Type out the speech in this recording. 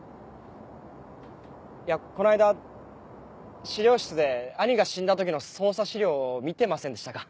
この間資料室で兄が死んだ時の捜査資料を見てませんでしたか？